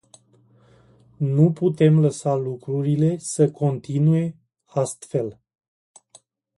Nu putem lăsa lucrurile să continue astfel.